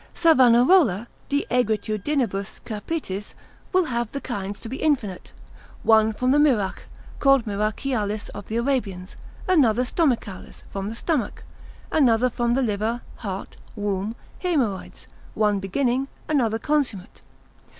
Savanarola, Rub. 11. Tract. 6. cap. 1. de aegritud. capitis, will have the kinds to be infinite; one from the mirach, called myrachialis of the Arabians; another stomachalis, from the stomach; another from the liver, heart, womb, haemorrhoids, one beginning, another consummate.